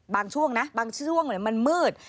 บางช่วงมันมืด